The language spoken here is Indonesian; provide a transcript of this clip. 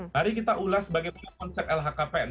mari kita ulas bagaimana konsep lhkpn